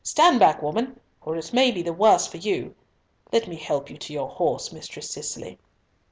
Stand back, woman, or it may be the worse for you. Let me help you to your horse, Mistress Cicely."